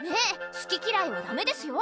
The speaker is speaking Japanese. すききらいはダメですよ？